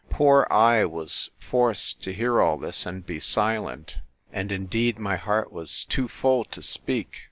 Poor I was forced to hear all this, and be silent; and indeed my heart was too full to speak.